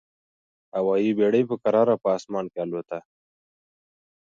هوايي بېړۍ په کراره په اسمان کي البوته.